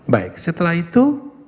baik setelah itu